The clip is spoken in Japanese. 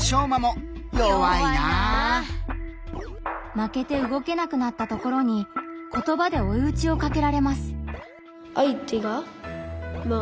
負けてうごけなくなったところに言葉でおいうちをかけられます。